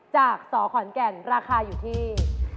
สอขอนแก่นราคาอยู่ที่